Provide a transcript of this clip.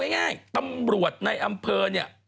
ง่ายตำรวจในอำเภอเนี่ย